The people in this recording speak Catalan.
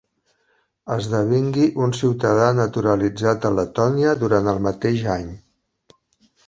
Esdevingui un ciutadà naturalitzat de Letònia durant el mateix any.